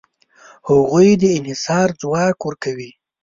هغوی ته د انحصار ځواک ورکوي.